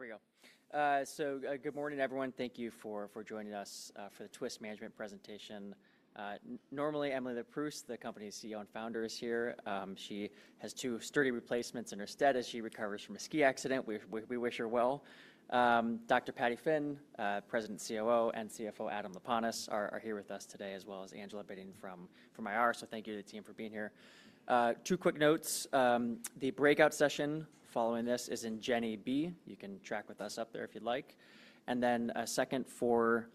Okay, here we go. Good morning, everyone. Thank you for joining us for the Twist Management Presentation. Normally, Emily Leproust, the company's CEO and Founder, is here. She has two sturdy replacements in her stead as she recovers from a ski accident. We wish her well. Dr. Patty Finn, President, COO, and CFO Adam Laponis are here with us today, as well as Angela Bitting from IR. Thank you to the team for being here. Two quick notes. The breakout session following this is in Jenny B. You can track with us up there if you'd like. A second, for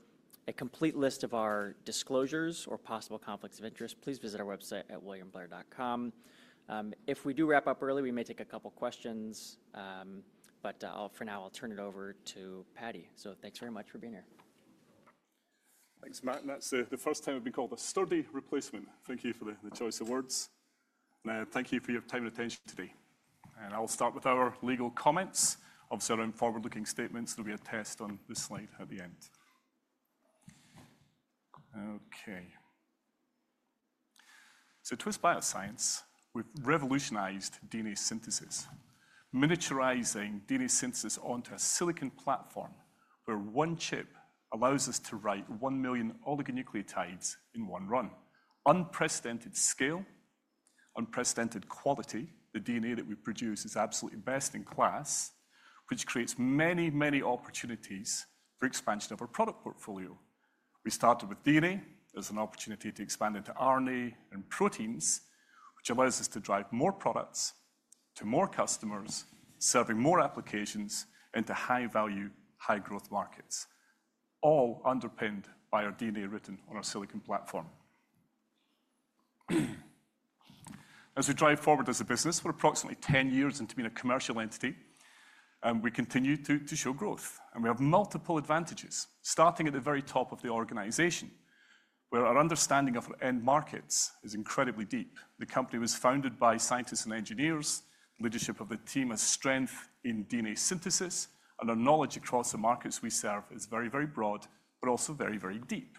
a complete list of our disclosures or possible conflicts of interest, please visit our website at williamblr.com. If we do wrap up early, we may take a couple questions. For now, I'll turn it over to Patty. Thanks very much for being here. Thanks, Martin. That's the first time we've been called a sturdy replacement. Thank you for the choice of words. Thank you for your time and attention today. I'll start with our legal comments. Obviously, there are forward-looking statements. There'll be a test on this slide at the end. Okay. Twist Bioscience, we've revolutionized DNA synthesis, miniaturizing DNA synthesis onto a silicon platform where one chip allows us to write 1 million oligonucleotides in one run. Unprecedented scale, unprecedented quality. The DNA that we produce is absolutely best in class, which creates many, many opportunities for expansion of our product portfolio. We started with DNA. There's an opportunity to expand into RNA and proteins, which allows us to drive more products to more customers, serving more applications into high-value, high-growth markets, all underpinned by our DNA written on our silicon platform. As we drive forward as a business, we're approximately 10 years into being a commercial entity, and we continue to show growth. We have multiple advantages, starting at the very top of the organization, where our understanding of our end markets is incredibly deep. The company was founded by scientists and engineers. Leadership of the team has strength in DNA synthesis, and our knowledge across the markets we serve is very, very broad, but also very, very deep.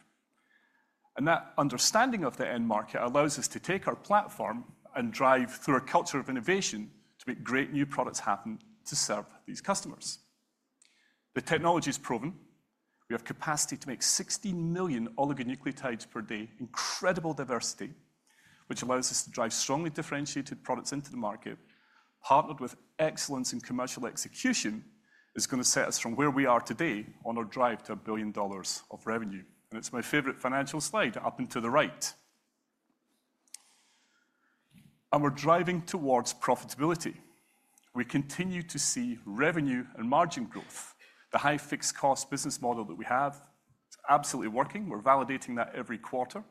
That understanding of the end market allows us to take our platform and drive through a culture of innovation to make great new products happen to serve these customers. The technology's proven. We have capacity to make 60 million oligonucleotides per day, incredible diversity, which allows us to drive strongly differentiated products into the market, partnered with excellence in commercial execution, is gonna set us from where we are today on our drive to $1 billion of revenue. It is my favorite financial slide up and to the right. We are driving towards profitability. We continue to see revenue and margin growth. The high fixed cost business model that we have is absolutely working. We are validating that every quarter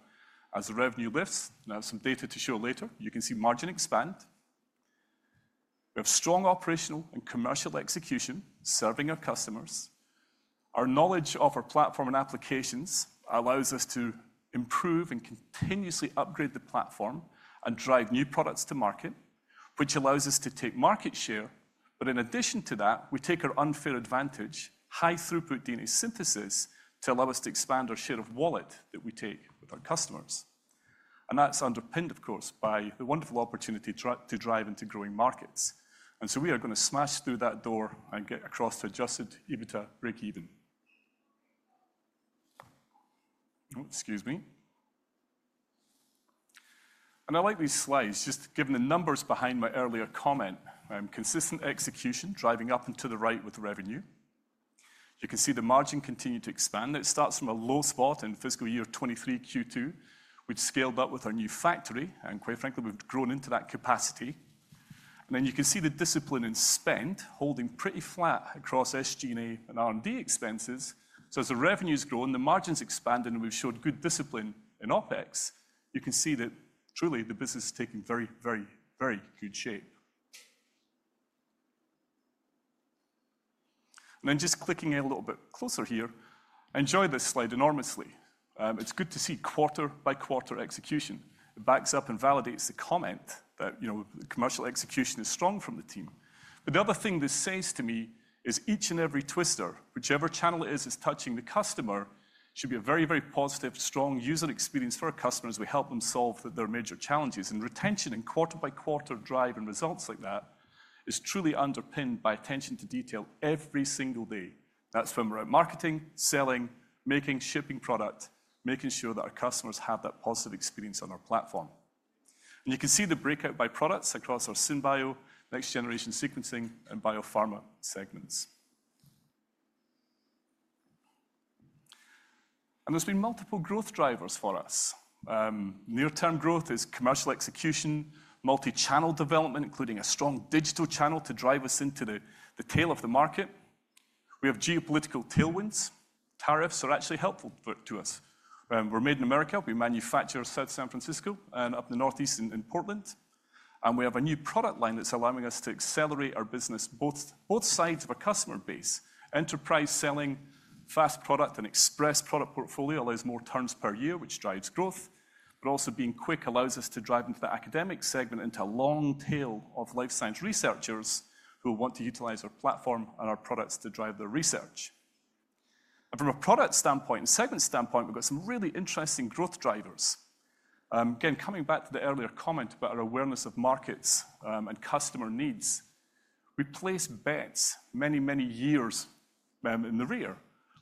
as the revenue lifts. I have some data to show later. You can see margin expand. We have strong operational and commercial execution serving our customers. Our knowledge of our platform and applications allows us to improve and continuously upgrade the platform and drive new products to market, which allows us to take market share. In addition to that, we take our unfair advantage, high throughput DNA synthesis, to allow us to expand our share of wallet that we take with our customers. That is underpinned, of course, by the wonderful opportunity to drive into growing markets. We are gonna smash through that door and get across to adjusted EBITDA break-even. Oh, excuse me. I like these slides just given the numbers behind my earlier comment. Consistent execution, driving up and to the right with revenue. You can see the margin continue to expand. It starts from a low spot in fiscal year 2023 Q2, which scaled up with our new factory. Quite frankly, we have grown into that capacity. You can see the discipline in spend holding pretty flat across SG&A and R&D expenses. As the revenue's grown, the margins expand, and we've showed good discipline in OpEx. You can see that truly the business is taking very, very, very good shape. Just clicking a little bit closer here, I enjoy this slide enormously. It's good to see quarter-by-quarter execution. It backs up and validates the comment that, you know, the commercial execution is strong from the team. The other thing this says to me is each and every twister, whichever channel it is, is touching the customer, should be a very, very positive, strong user experience for our customers. We help them solve their major challenges. Retention and quarter-by-quarter drive and results like that is truly underpinned by attention to detail every single day. That's when we're out marketing, selling, making, shipping product, making sure that our customers have that positive experience on our platform. You can see the breakout by products across our SynBio, next-generation sequencing, and biopharma segments. There have been multiple growth drivers for us. Near-term growth is commercial execution, multi-channel development, including a strong digital channel to drive us into the tail of the market. We have geopolitical tailwinds. Tariffs are actually helpful to us. We're made in America. We manufacture in South San Francisco and up in the Northeast in Portland. We have a new product line that's allowing us to accelerate our business, both sides of our customer base. Enterprise selling, fast product, and express product portfolio allows more turns per year, which drives growth. Also, being quick allows us to drive into the academic segment, into a long tail of life science researchers who want to utilize our platform and our products to drive their research. From a product standpoint and segment standpoint, we've got some really interesting growth drivers. Again, coming back to the earlier comment about our awareness of markets and customer needs, we place bets many, many years in the rear.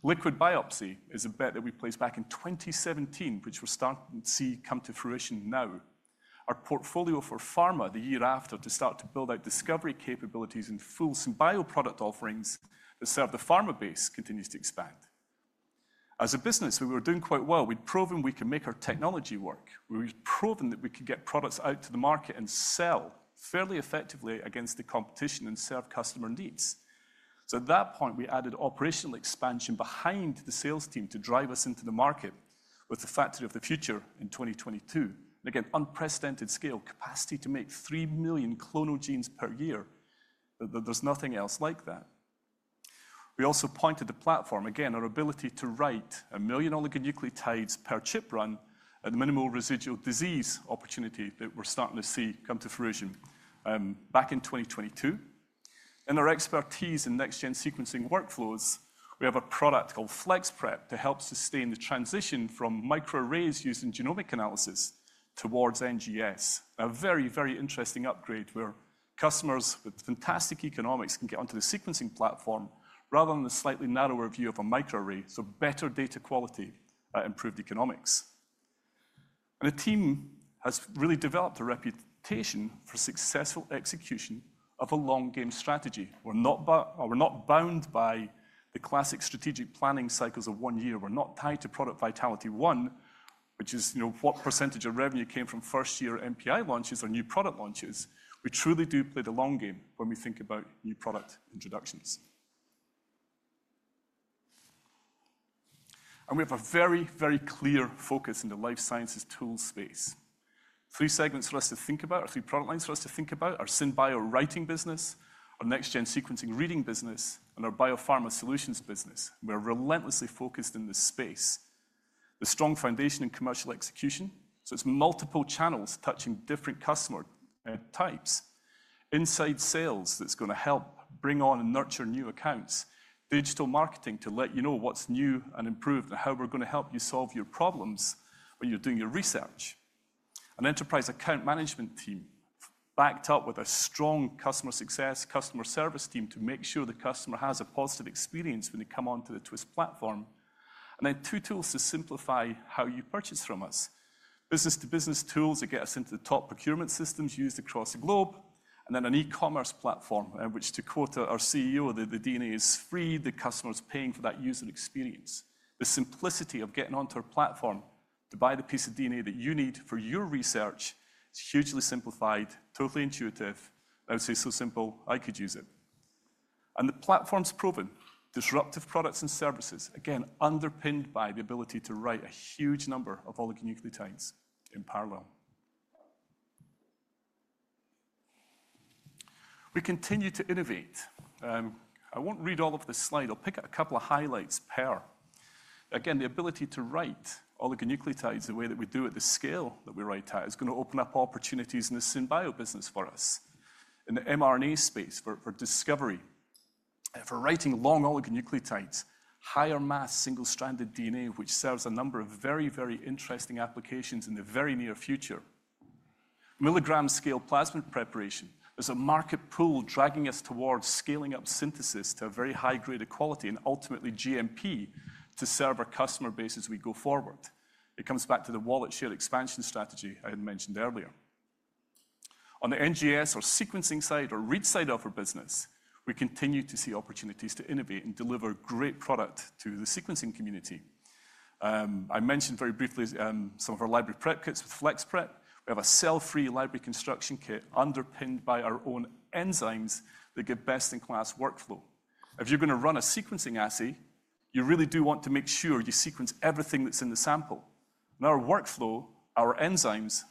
Liquid biopsy is a bet that we placed back in 2017, which we're starting to see come to fruition now. Our portfolio for pharma, the year after, to start to build out discovery capabilities and full SynBio product offerings that serve the pharma base continues to expand. As a business, we were doing quite well. We'd proven we could make our technology work. We've proven that we could get products out to the market and sell fairly effectively against the competition and serve customer needs. At that point, we added operational expansion behind the sales team to drive us into the market with the factory of the future in 2022. Again, unprecedented scale, capacity to make 3 million clonal genes per year. There's nothing else like that. We also pointed the platform, again, our ability to write a million oligonucleotides per chip run and minimal residual disease opportunity that we're starting to see come to fruition, back in 2022. In our expertise in next-gen sequencing workflows, we have a product called FlexPrep to help sustain the transition from microarrays using genomic analysis towards NGS. A very, very interesting upgrade where customers with fantastic economics can get onto the sequencing platform rather than the slightly narrower view of a microarray. Better data quality, improved economics. The team has really developed a reputation for successful execution of a long-game strategy. We're not bound by the classic strategic planning cycles of one year. We're not tied to product vitality one, which is, you know, what % of revenue came from first-year MPI launches or new product launches. We truly do play the long game when we think about new product introductions. We have a very, very clear focus in the life sciences tool space. Three segments for us to think about, or three product lines for us to think about, our SynBio writing business, our next-gen sequencing reading business, and our biopharma solutions business. We're relentlessly focused in this space. The strong foundation in commercial execution. It's multiple channels touching different customer types. Inside sales that's gonna help bring on and nurture new accounts. Digital marketing to let you know what's new and improved and how we're gonna help you solve your problems when you're doing your research. An enterprise account management team backed up with a strong customer success, customer service team to make sure the customer has a positive experience when they come onto the Twist platform. Two tools to simplify how you purchase from us. Business-to-business tools that get us into the top procurement systems used across the globe. An e-commerce platform, which to quote our CEO, the DNA is free. The customer's paying for that user experience. The simplicity of getting onto our platform to buy the piece of DNA that you need for your research is hugely simplified, totally intuitive. I would say so simple, I could use it. The platform's proven. Disruptive products and services, again, underpinned by the ability to write a huge number of oligonucleotides in parallel. We continue to innovate. I won't read all of the slide. I'll pick out a couple of highlights per. Again, the ability to write oligonucleotides the way that we do at the scale that we write at is going to open up opportunities in the SynBio business for us. In the mRNA space, for discovery, for writing long oligonucleotides, higher-mass single-stranded DNA, which serves a number of very, very interesting applications in the very near future. Milligram-scale plasmid preparation is a market pull dragging us towards scaling up synthesis to a very high-grade quality and ultimately GMP to serve our customer base as we go forward. It comes back to the wallet share expansion strategy I had mentioned earlier. On the NGS or sequencing side or read side of our business, we continue to see opportunities to innovate and deliver great product to the sequencing community. I mentioned very briefly, some of our library prep kits with FlexPrep. We have a cell-free library construction kit underpinned by our own enzymes that give best-in-class workflow. If you're going to run a sequencing assay, you really do want to make sure you sequence everything that's in the sample. Our workflow, our enzymes,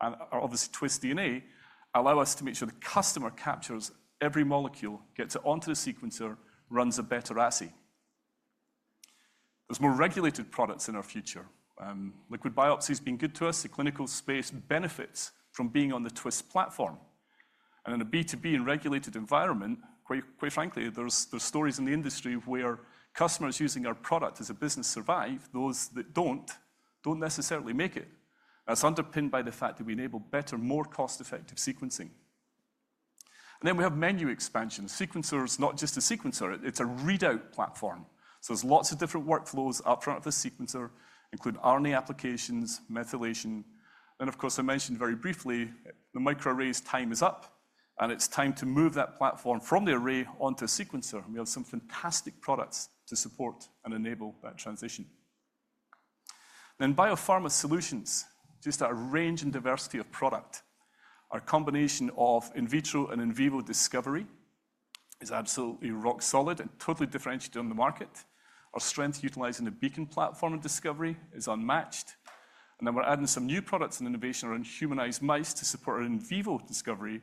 and our obviously Twist DNA allow us to make sure the customer captures every molecule, gets it onto the sequencer, runs a better assay. There are more regulated products in our future. Liquid biopsy's been good to us. The clinical space benefits from being on the Twist platform. In a B2B and regulated environment, quite frankly, there are stories in the industry where customers using our product as a business survive. Those that do not, do not necessarily make it. That is underpinned by the fact that we enable better, more cost-effective sequencing. We have menu expansion. A sequencer is not just a sequencer. It is a readout platform. There are lots of different workflows up front of the sequencer, including RNA applications, methylation. I mentioned very briefly, the microarray's time is up, and it's time to move that platform from the array onto a sequencer. We have some fantastic products to support and enable that transition. Biopharma solutions, just our range and diversity of product. Our combination of in vitro and in vivo discovery is absolutely rock solid and totally differentiated on the market. Our strength utilizing the Beacon platform and discovery is unmatched. We are adding some new products and innovation around humanized mice to support our in vivo discovery.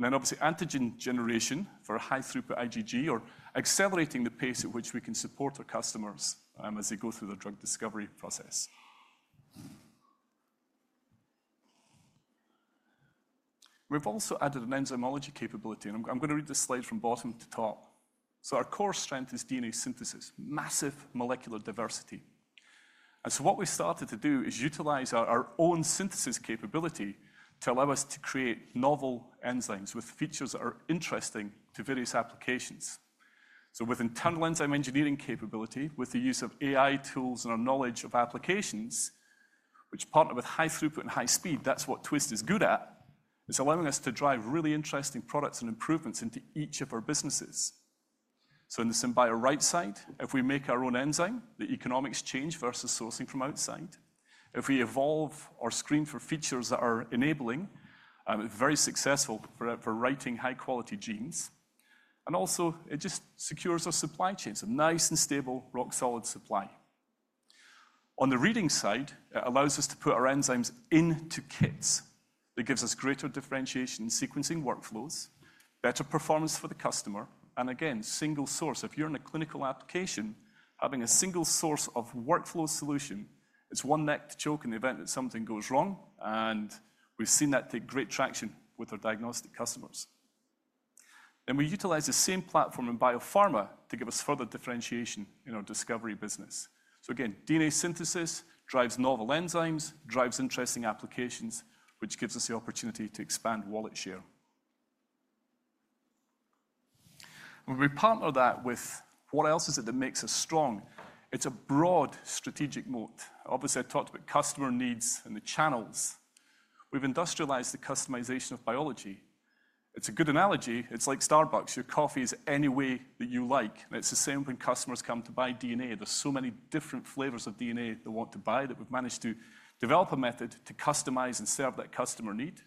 Obviously, antigen generation for a high-throughput IgG, or accelerating the pace at which we can support our customers as they go through the drug discovery process. We have also added an enzymology capability. I'm gonna read this slide from bottom to top. Our core strength is DNA synthesis, massive molecular diversity. What we started to do is utilize our own synthesis capability to allow us to create novel enzymes with features that are interesting to various applications. With internal enzyme engineering capability, with the use of AI tools and our knowledge of applications, which partner with high throughput and high speed, that's what Twist is good at, is allowing us to drive really interesting products and improvements into each of our businesses. In the SynBio right side, if we make our own enzyme, the economics change versus sourcing from outside. If we evolve or screen for features that are enabling, it's very successful for writing high-quality genes. Also, it just secures our supply chains, a nice and stable, rock-solid supply. On the reading side, it allows us to put our enzymes into kits. It gives us greater differentiation in sequencing workflows, better performance for the customer, and again, single source. If you're in a clinical application, having a single source of workflow solution, it's one neck to choke in the event that something goes wrong. We've seen that take great traction with our diagnostic customers. We utilize the same platform in biopharma to give us further differentiation in our discovery business. DNA synthesis drives novel enzymes, drives interesting applications, which gives us the opportunity to expand wallet share. We partner that with what else is it that makes us strong? It's a broad strategic moat. Obviously, I talked about customer needs and the channels. We've industrialized the customization of biology. It's a good analogy. It's like Starbucks. Your coffee is any way that you like. It's the same when customers come to buy DNA. There's so many different flavors of DNA they want to buy that we've managed to develop a method to customize and serve that customer need.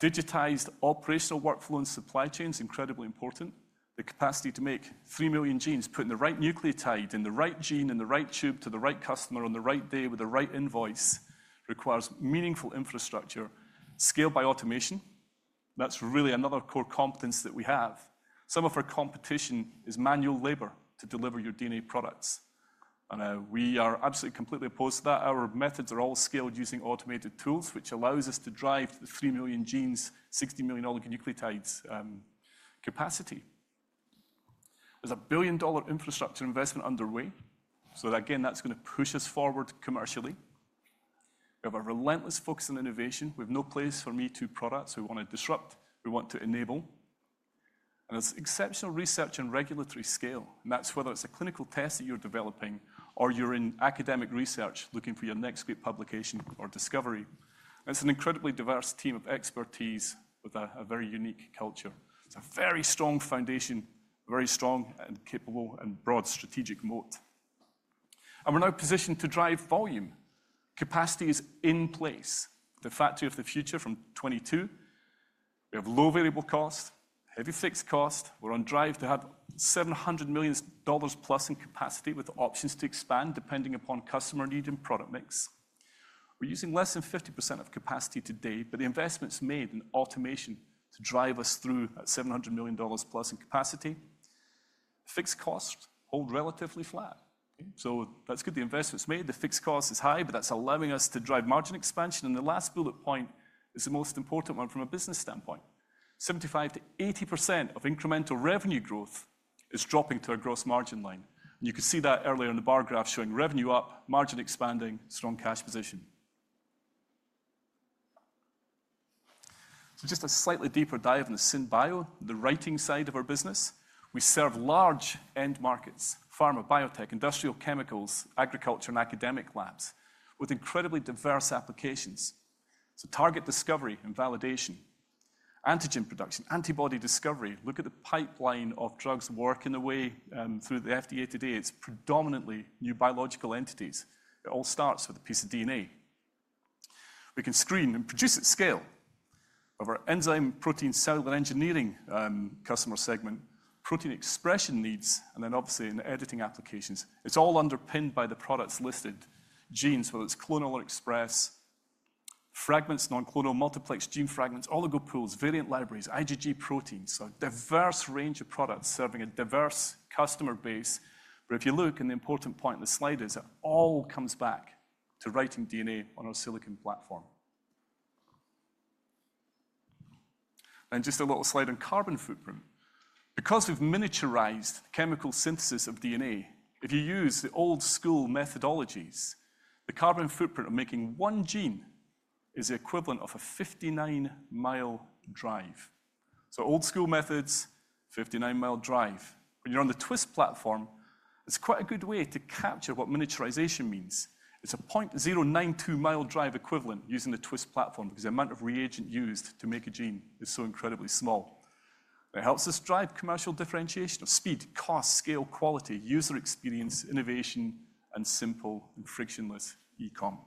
Digitized operational workflow and supply chain is incredibly important. The capacity to make 3 million genes, put in the right nucleotide, in the right gene, in the right tube to the right customer on the right day with the right invoice requires meaningful infrastructure scaled by automation. That's really another core competence that we have. Some of our competition is manual labor to deliver your DNA products. We are absolutely completely opposed to that. Our methods are all scaled using automated tools, which allows us to drive the 3 million genes, 60 million oligonucleotides, capacity. There's a billion-dollar infrastructure investment underway. That's gonna push us forward commercially. We have a relentless focus on innovation. We have no place for me too products. We wanna disrupt. We want to enable. It is exceptional research and regulatory scale. That is whether it is a clinical test that you are developing or you are in academic research looking for your next great publication or discovery. It is an incredibly diverse team of expertise with a very unique culture. It is a very strong foundation, very strong and capable and broad strategic moat. We are now positioned to drive volume. Capacity is in place. The factory of the future from 2022. We have low variable cost, heavy fixed cost. We are on drive to have $700 million plus in capacity with options to expand depending upon customer need and product mix. We are using less than 50% of capacity today, but the investments made in automation to drive us through at $700 million plus in capacity. Fixed costs hold relatively flat. That is good. The investment is made. The fixed cost is high, but that is allowing us to drive margin expansion. The last bullet point is the most important one from a business standpoint. 75%-80% of incremental revenue growth is dropping to our gross margin line. You could see that earlier in the bar graph showing revenue up, margin expanding, strong cash position. Just a slightly deeper dive in the SynBio, the writing side of our business. We serve large end markets, pharma biotech, industrial chemicals, agriculture, and academic labs with incredibly diverse applications. Target discovery and validation, antigen production, antibody discovery. Look at the pipeline of drugs working away, through the FDA today. It is predominantly new biological entities. It all starts with a piece of DNA. We can screen and produce at scale of our enzyme protein cellular engineering, customer segment, protein expression needs, and then obviously in editing applications. It is all underpinned by the products listed. Genes, whether it is clonal or express, fragments, non-clonal multiplex, gene fragments, oligo pools, variant libraries, IgG proteins. A diverse range of products serving a diverse customer base. If you look, and the important point in the slide is it all comes back to writing DNA on our silicon platform. A little slide on carbon footprint. Because we have miniaturized chemical synthesis of DNA, if you use the old-school methodologies, the carbon footprint of making one gene is the equivalent of a 59-mile drive. Old-school methods, 59-mile drive. When you are on the Twist platform, it is quite a good way to capture what miniaturization means. It's a 0.092-mile drive equivalent using the Twist platform because the amount of reagent used to make a gene is so incredibly small. It helps us drive commercial differentiation of speed, cost, scale, quality, user experience, innovation, and simple and frictionless e-comm.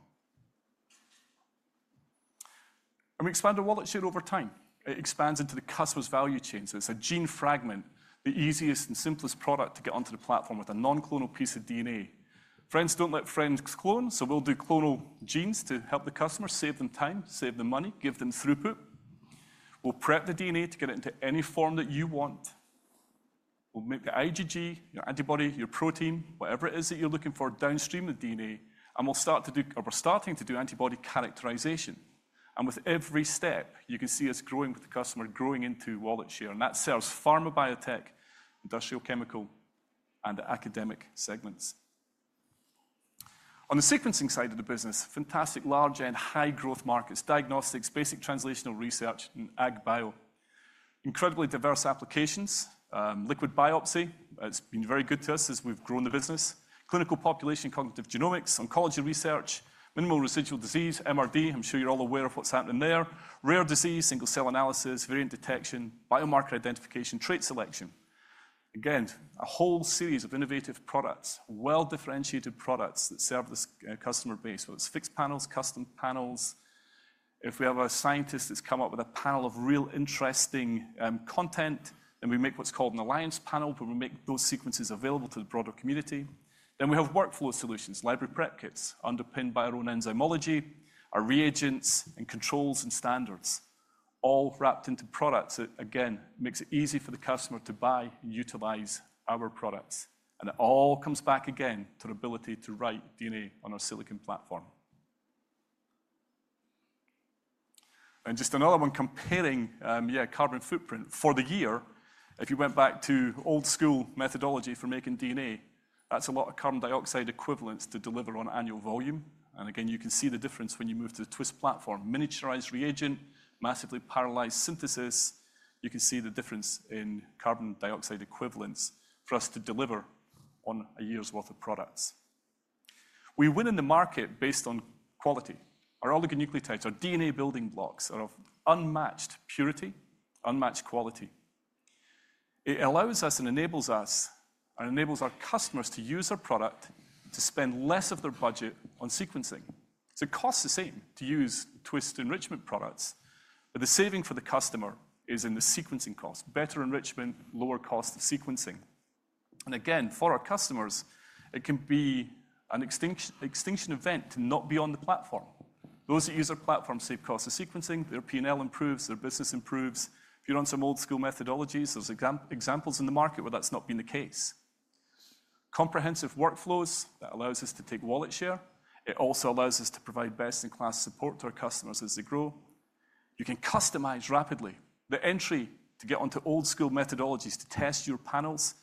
We expand our wallet share over time. It expands into the customer's value chain. It's a gene fragment, the easiest and simplest product to get onto the platform with a non-clonal piece of DNA. Friends don't let friends clone, so we'll do clonal genes to help the customer, save them time, save them money, give them throughput. We'll prep the DNA to get it into any form that you want. We'll make the IgG, your antibody, your protein, whatever it is that you're looking for downstream of DNA. We're starting to do antibody characterization. With every step, you can see us growing with the customer, growing into wallet share. That serves pharma biotech, industrial chemical, and academic segments. On the sequencing side of the business, fantastic large and high-growth markets, diagnostics, basic translational research, and ag-bio. Incredibly diverse applications, liquid biopsy. It's been very good to us as we've grown the business. Clinical population, cognitive genomics, oncology research, minimal residual disease, MRD. I'm sure you're all aware of what's happening there. Rare disease, single-cell analysis, variant detection, biomarker identification, trait selection. Again, a whole series of innovative products, well-differentiated products that serve this customer base. Whether it's fixed panels, custom panels. If we have a scientist that's come up with a panel of real interesting content, then we make what's called an alliance panel, where we make those sequences available to the broader community. We have workflow solutions, library prep kits, underpinned by our own enzymology, our reagents, and controls and standards, all wrapped into products that, again, makes it easy for the customer to buy and utilize our products. It all comes back again to our ability to write DNA on our silicon platform. Just another one comparing, yeah, carbon footprint for the year. If you went back to old-school methodology for making DNA, that's a lot of carbon dioxide equivalents to deliver on annual volume. You can see the difference when you move to the Twist platform. Miniaturized reagent, massively parallelized synthesis. You can see the difference in carbon dioxide equivalents for us to deliver on a year's worth of products. We win in the market based on quality. Our oligonucleotides, our DNA building blocks, are of unmatched purity, unmatched quality. It allows us and enables us and enables our customers to use our product to spend less of their budget on sequencing. It costs the same to use Twist enrichment products, but the saving for the customer is in the sequencing cost. Better enrichment, lower cost of sequencing. Again, for our customers, it can be an extinction event to not be on the platform. Those that use our platform save costs of sequencing. Their P&L improves, their business improves. If you're on some old-school methodologies, there are examples in the market where that's not been the case. Comprehensive workflows that allow us to take wallet share. It also allows us to provide best-in-class support to our customers as they grow. You can customize rapidly. The entry to get onto old-school methodologies to test your panels,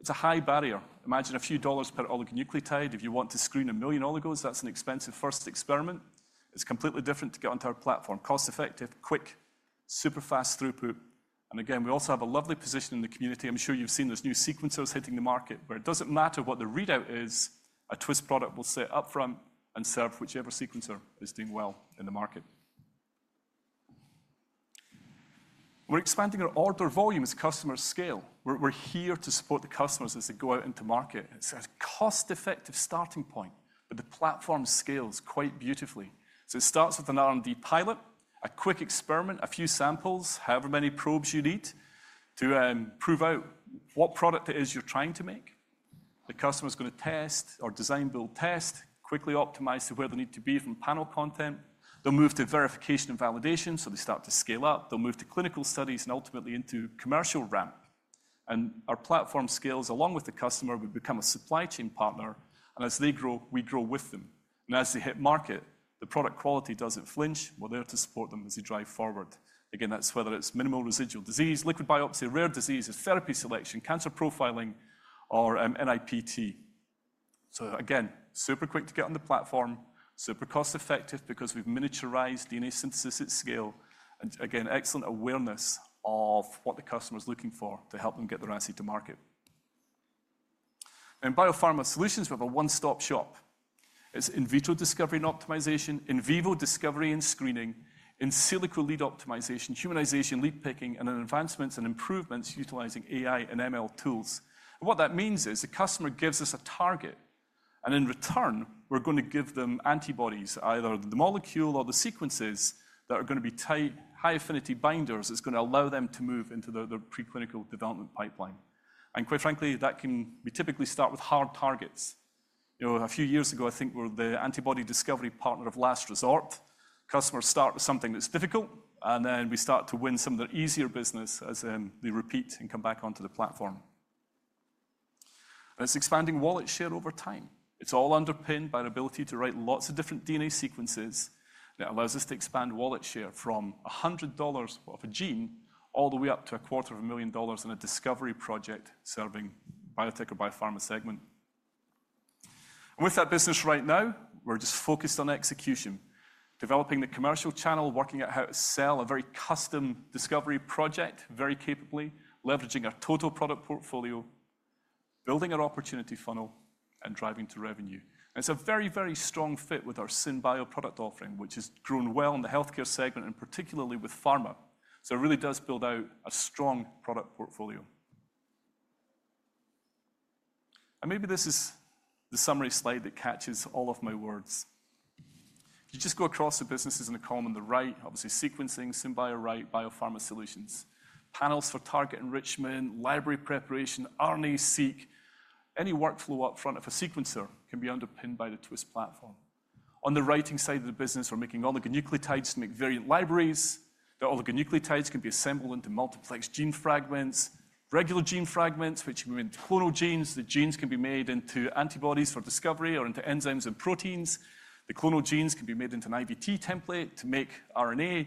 it's a high barrier. Imagine a few dollars per oligonucleotide. If you want to screen a million oligos, that's an expensive first experiment. It's completely different to get onto our platform. Cost-effective, quick, super fast throughput. We also have a lovely position in the community. I'm sure you've seen there's new sequencers hitting the market where it doesn't matter what the readout is, a Twist product will set upfront and serve whichever sequencer is doing well in the market. We're expanding our order volume as customers scale. We're here to support the customers as they go out into market. It's a cost-effective starting point, but the platform scales quite beautifully. It starts with an R&D pilot, a quick experiment, a few samples, however many probes you need to prove out what product it is you're trying to make. The customer's gonna test or design-build test, quickly optimize to where they need to be from panel content. They'll move to verification and validation, so they start to scale up. They'll move to clinical studies and ultimately into commercial ramp. Our platform scales along with the customer. We become a supply chain partner. As they grow, we grow with them. As they hit market, the product quality does not flinch. We're there to support them as they drive forward. Again, that's whether it's minimal residual disease, liquid biopsy, rare diseases, therapy selection, cancer profiling, or NIPT. Again, super quick to get on the platform, super cost-effective because we've miniaturized DNA synthesis at scale. Again, excellent awareness of what the customer's looking for to help them get their asset to market. In biopharma solutions, we have a one-stop shop. It's in vitro discovery and optimization, in vivo discovery and screening, in silico lead optimization, humanization, lead picking, and then advancements and improvements utilizing AI and ML tools. What that means is the customer gives us a target, and in return, we're going to give them antibodies, either the molecule or the sequences that are gonna be tight, high-affinity binders that's gonna allow them to move into their preclinical development pipeline. Quite frankly, we typically start with hard targets. You know, a few years ago, I think we were the antibody discovery partner of last resort. Customers start with something that's difficult, and then we start to win some of their easier business as they repeat and come back onto the platform. It's expanding wallet share over time. It's all underpinned by our ability to write lots of different DNA sequences. It allows us to expand wallet share from $100 of a gene all the way up to $250,000 in a discovery project serving biotech or biopharma segment. With that business right now, we're just focused on execution, developing the commercial channel, working at how to sell a very custom discovery project very capably, leveraging our total product portfolio, building our opportunity funnel, and driving to revenue. It is a very, very strong fit with our SynBio product offering, which has grown well in the healthcare segment and particularly with pharma. It really does build out a strong product portfolio. Maybe this is the summary slide that catches all of my words. You just go across the businesses in the column on the right, obviously sequencing, SynBio, biopharma solutions, panels for target enrichment, library preparation, RNA-Seq. Any workflow upfront of a sequencer can be underpinned by the Twist platform. On the writing side of the business, we're making oligonucleotides to make variant libraries. The oligonucleotides can be assembled into multiplex gene fragments, regular gene fragments, which can be made into clonal genes. The genes can be made into antibodies for discovery or into enzymes and proteins. The clonal genes can be made into an IVT template to make RNA.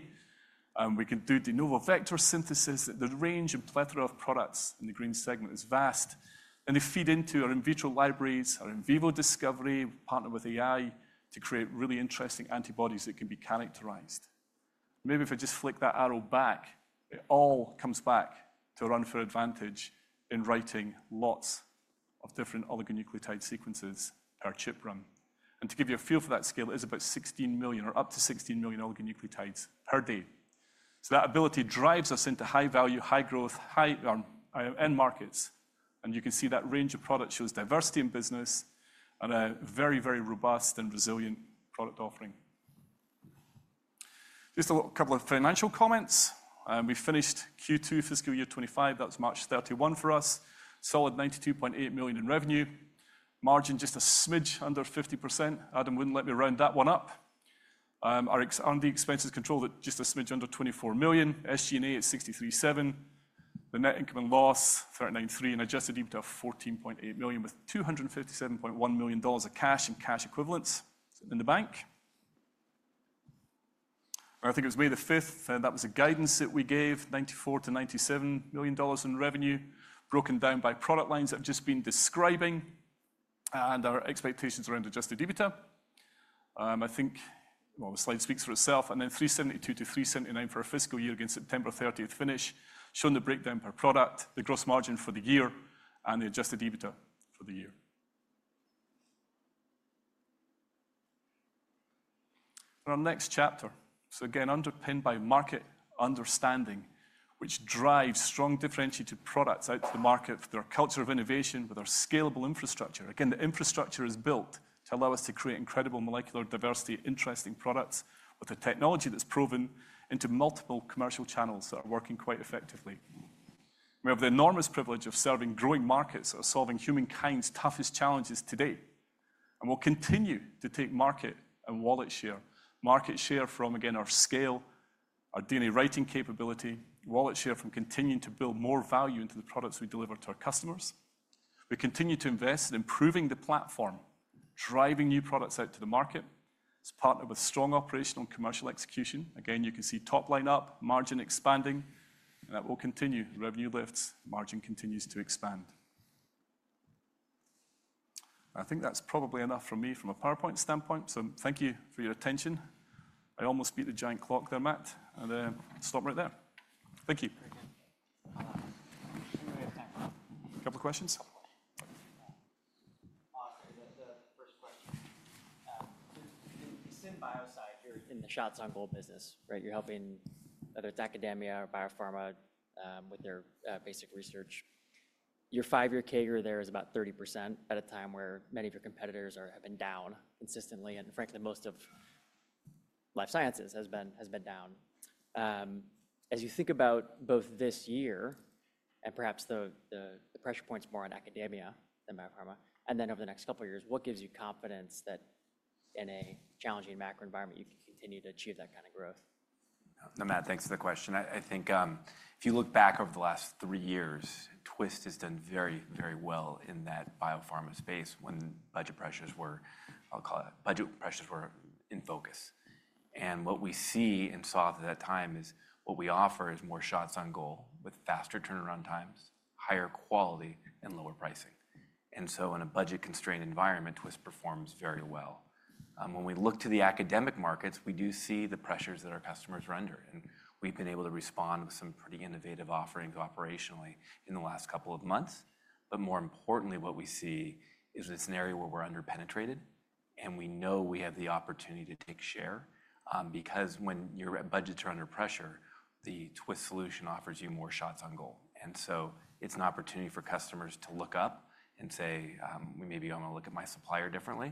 We can do de novo vector synthesis. The range and plethora of products in the green segment is vast. They feed into our in vitro libraries, our in vivo discovery, partner with AI to create really interesting antibodies that can be characterized. Maybe if I just flick that arrow back, it all comes back to run for advantage in writing lots of different oligonucleotide sequences per chip run. To give you a feel for that scale, it is about 16 million or up to 16 million oligonucleotides per day. That ability drives us into high-value, high-growth, high-end markets. You can see that range of products shows diversity in business and a very, very robust and resilient product offering. Just a couple of financial comments. We finished Q2 fiscal year 2025. That is March 31 for us. Solid $92.8 million in revenue. Margin just a smidge under 50%. Adam would not let me round that one up. Our R&D expenses controlled at just a smidge under $24 million. SG&A at $63.7 million. The net income and loss, $39.3 million, and adjusted EBITDA of $14.8 million with $257.1 million of cash and cash equivalents in the bank. I think it was May the 5th, and that was a guidance that we gave, $94 million-$97 million in revenue, broken down by product lines that have just been describing, and our expectations around adjusted EBITDA. I think, the slide speaks for itself. And then $372 million-$379 million for a fiscal year against September 30th finish, showing the breakdown per product, the gross margin for the year, and the adjusted EBITDA for the year. Our next chapter. Again, underpinned by market understanding, which drives strong differentiated products out to the market with our culture of innovation, with our scalable infrastructure. Again, the infrastructure is built to allow us to create incredible molecular diversity, interesting products with a technology that's proven into multiple commercial channels that are working quite effectively. We have the enormous privilege of serving growing markets that are solving humankind's toughest challenges today. We'll continue to take market and wallet share, market share from, again, our scale, our DNA writing capability, wallet share from continuing to build more value into the products we deliver to our customers. We continue to invest in improving the platform, driving new products out to the market. It's partnered with strong operational and commercial execution. Again, you can see top line up, margin expanding, and that will continue. Revenue lifts, margin continues to expand. I think that's probably enough from me from a PowerPoint standpoint. Thank you for your attention. I almost beat the giant clock there, Matt. Stop right there. Thank you. Couple of questions? I'll say the first question. The SynBio side here in the shots on gold business, right? You're helping whether it's academia or biopharma, with their basic research. Your five-year CAGR there is about 30% at a time where many of your competitors have been down consistently. And frankly, most of life sciences has been down. As you think about both this year and perhaps the pressure points more on academia than biopharma, and then over the next couple of years, what gives you confidence that in a challenging macro environment, you can continue to achieve that kind of growth? No, Matt, thanks for the question. I think, if you look back over the last three years, Twist has done very, very well in that biopharma space when budget pressures were, I'll call it, budget pressures were in focus. What we see and saw at that time is what we offer is more shots on goal with faster turnaround times, higher quality, and lower pricing. In a budget-constrained environment, Twist performs very well. When we look to the academic markets, we do see the pressures that our customers render. We've been able to respond with some pretty innovative offerings operationally in the last couple of months. More importantly, what we see is it's an area where we're underpenetrated, and we know we have the opportunity to take share, because when your budgets are under pressure, the Twist solution offers you more shots on goal. It is an opportunity for customers to look up and say, maybe I'm gonna look at my supplier differently.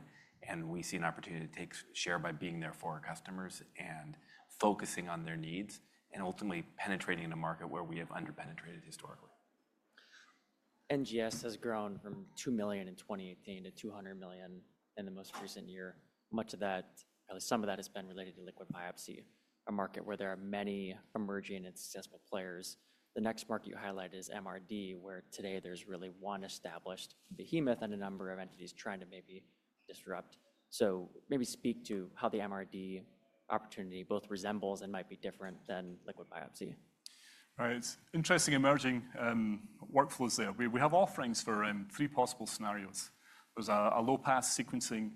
We see an opportunity to take share by being there for our customers and focusing on their needs and ultimately penetrating in a market where we have underpenetrated historically. NGS has grown from $2 million in 2018 to $200 million in the most recent year. Much of that, probably some of that has been related to liquid biopsy, a market where there are many emerging and successful players. The next market you highlight is MRD, where today there is really one established behemoth and a number of entities trying to maybe disrupt. Maybe speak to how the MRD opportunity both resembles and might be different than liquid biopsy. All right. Interesting emerging workflows there. We have offerings for three possible scenarios. There is a low-pass sequencing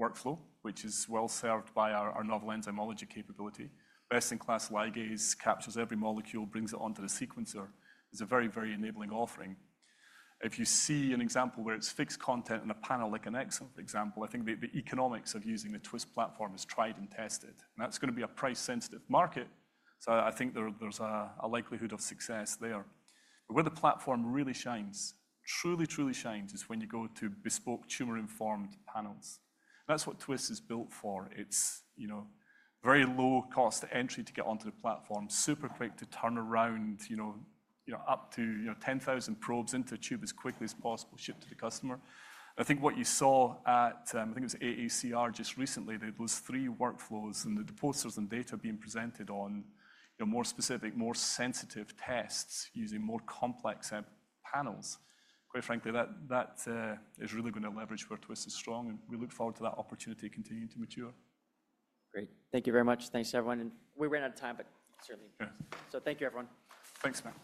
workflow, which is well-served by our novel enzymology capability. Best-in-class ligase captures every molecule, brings it onto the sequencer. It is a very, very enabling offering. If you see an example where it is fixed content and a panel like an excellent example, I think the economics of using the Twist platform is tried and tested. That is going to be a price-sensitive market. I think there is a likelihood of success there. Where the platform really shines, truly, truly shines is when you go to bespoke tumor-informed panels. That is what Twist is built for. It's, you know, very low-cost entry to get onto the platform, super quick to turn around, you know, up to 10,000 probes into a tube as quickly as possible, ship to the customer. I think what you saw at, I think it was AACR just recently, those three workflows and the posters and data being presented on, you know, more specific, more sensitive tests using more complex panels. Quite frankly, that is really gonna leverage where Twist is strong. We look forward to that opportunity continuing to mature. Great. Thank you very much. Thanks to everyone. We ran out of time, but certainly. Thank you, everyone. Thanks, Matt.